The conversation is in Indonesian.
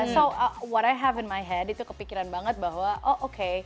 jadi apa yang aku pikirkan itu kepikiran banget bahwa oh oke